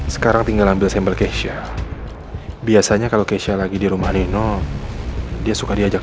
sekarang tinggal ambil sampel kesha biasanya kalau kesha lagi di rumah adeno dia suka diajak